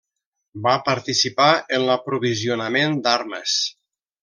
Va participar en l'aprovisionament d'armes.